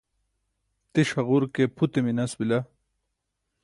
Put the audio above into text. tiṣ haġur ke pute minas bila